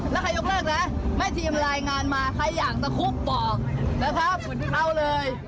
แล้วใครยกเลิกนะแม่ทีมลายงานมาใครอยากจะคุกปองแล้วครับเอาเลย